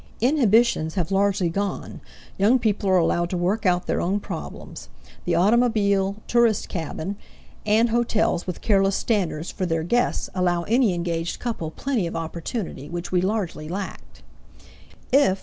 Inhibitions have largely gone, young people are allowed to work out their own problems; the automobile, tourist cabin, and hotels with careless standards for their guests allow any engaged couple plenty of opportunity, which we largely lacked.